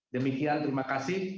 demikian terima kasih